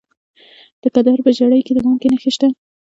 د کندهار په ژیړۍ کې د مالګې نښې شته.